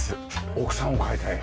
奥さんを描いた絵。